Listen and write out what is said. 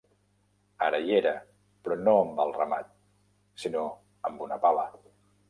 Ara hi era, però no amb el ramat, sinó amb una pala.